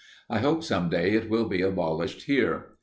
I hope some day it will be abolished here.